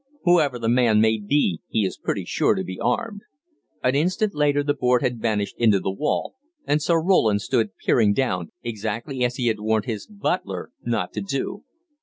Whoever the man may be he is pretty sure to be armed." An instant later the board had vanished into the wall, and Sir Roland stood peering down exactly as he had warned his butler not to do.